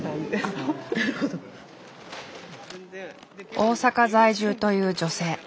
大阪在住という女性。